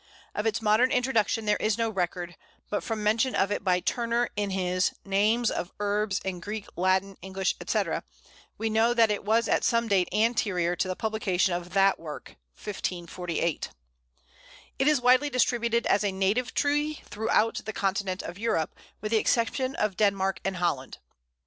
Of its modern introduction there is no record, but from mention of it by Turner in his "Names of Herbes in Greke, Latin, Englishe, etc.," we know that it was at some date anterior to the publication of that work (1548). It is widely distributed as a native tree throughout the continent of Europe, with the exception of Denmark and Holland.